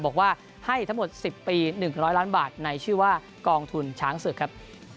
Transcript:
บอกว่าให้ทั้งหมด๑๐ปี๑๐๐ล้านบาทในชื่อว่ากองทุนช้างศึกครับ